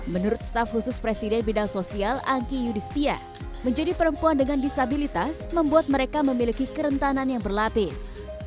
menurut staf khusus presiden bidang sosial angki yudhistia menjadi perempuan dengan disabilitas membuat mereka memiliki kerentanan yang berlapis